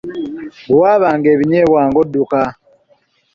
Bwe wabbanga ebinyeebwa ng’odduka.